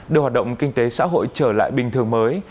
đưa hoạt động kinh tế xã hội trở lại bình thường mới